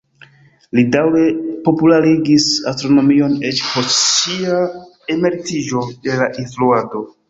Li daŭre popularigis astronomion eĉ post sia emeritiĝo de la instruado.